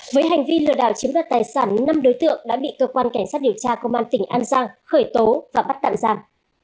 với hành vi lừa đảo chiếm đoạt tài sản năm đối tượng đã bị cơ quan cảnh sát điều tra công an tỉnh an giang khởi tố và bắt tạm giam